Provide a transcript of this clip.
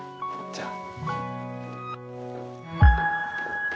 じゃあ。